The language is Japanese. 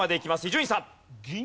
伊集院さん。